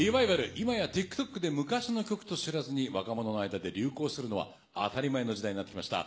いまやＴｉｋＴｏｋで昔の曲と知らずに若者の間で流行しているのは、当たり前の時代になってまいりました。